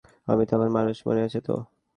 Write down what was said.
আপনি তো এখন মানুষ, মনে আছে তো?